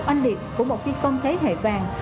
oanh liệt của một phi công thế hệ vàng